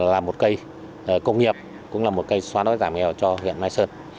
là một cây công nghiệp cũng là một cây xóa đói giảm nghèo cho huyện mai sơn